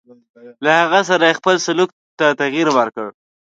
له هغه سره یې خپل سلوک ته تغیر ورکړ.